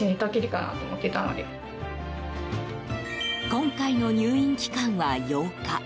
今回の入院期間は８日。